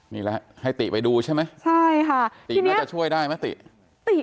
นี่แหละให้ติไปดูใช่ไหมใช่ค่ะติน่าจะช่วยได้ไหมติติ